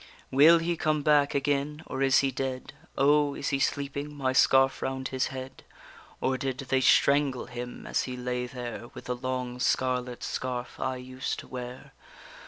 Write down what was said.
_ Will he come back again, or is he dead? O! is he sleeping, my scarf round his head? Or did they strangle him as he lay there, With the long scarlet scarf I used to wear?